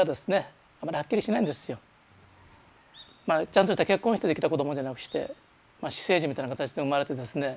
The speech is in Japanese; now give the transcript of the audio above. ちゃんとした結婚してできた子供じゃなくして私生児みたいな形で生まれてですね。